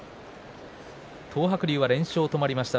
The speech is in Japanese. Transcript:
東白龍は連勝止まりました。